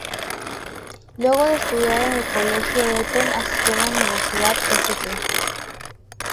Luego de estudiar en el Colegio Eton, asistió a la Universidad St.